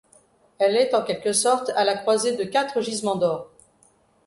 Elle est en quelque sorte à la croisée de quatre gisements d’or.